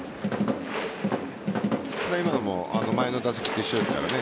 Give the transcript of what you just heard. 今のも前の打席と一緒ですからね。